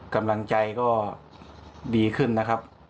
กำลังใจก็ดีขึ้นนะครับ